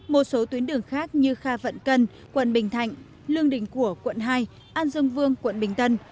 một số tuyến đường khác như kha vận cân quận bình thạnh lương đình của quận hai an dương vương quận bình tân